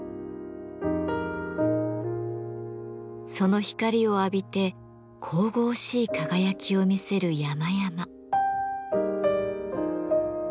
その光を浴びて神々しい輝きを見せる山々。